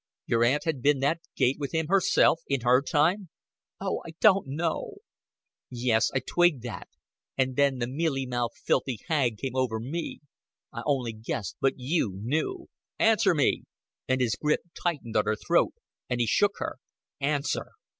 "Your aunt had been that gait with him herself, in her time?" "Oh, I don't know." "Yes, I twigged that and then the mealy mouthed, filthy hag came over me. I on'y guessed, but you knew. Answer me;" and his grip tightened on her throat, and he shook her. "Answer."